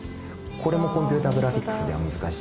これも、コンピューターグラフィックスでは難しい。